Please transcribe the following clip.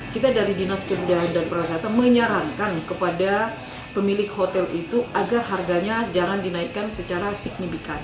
kita dari dinas kebudayaan dan pariwisata menyarankan kepada pemilik hotel itu agar harganya jangan dinaikkan secara signifikan